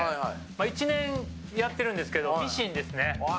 １年やっているんですけどミシンですね。